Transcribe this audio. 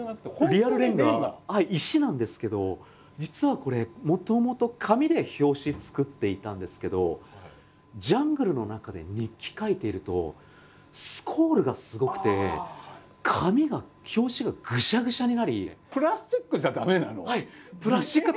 リアルレンガ石なんですけど実はこれもともと紙で表紙作っていたんですけどジャングルの中で日記書いているとスコールがすごくて紙が表紙がぐしゃぐしゃになり。